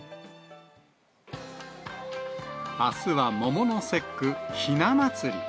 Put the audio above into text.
あすは桃の節句、ひな祭り。